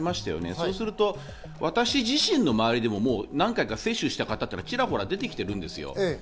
そうすると私自身の周りでも何回か接種した人がちらほら出てきているんです。